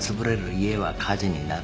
家は火事になる。